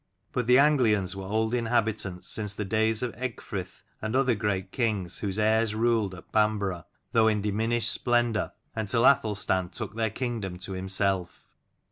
But the Anglians were old inhabitants since the days of Ecgfrith and other great kings, whose heirs ruled at Bamborough, though in diminished splendour, until Athelstan took their kingdom to himself.